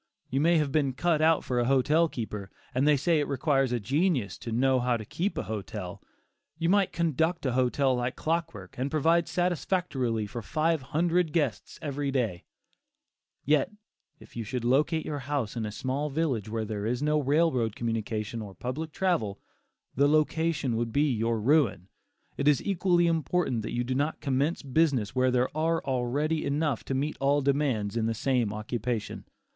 You may have been cut out for a hotel keeper, and they say it requires a genius to "know how to keep a hotel." You might conduct a hotel like clockwork, and provide satisfactorily for five hundred guests every day; yet, if you should locate your house in a small village where there is no railroad communication or public travel, the location would be your ruin. It is equally important that you do not commence business where there are already enough to meet all demands in the same occupation.